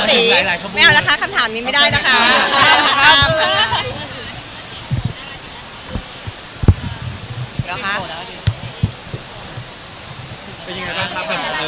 เป็นยังไงบ้างครับ